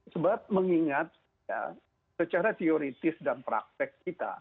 sebab mengingat secara teoritis dan praktek kita